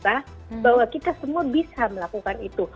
bahwa kita semua bisa melakukan itu